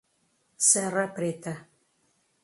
Serra Preta